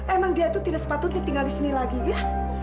emang dia itu tidak sepatutnya tinggal disini lagi ya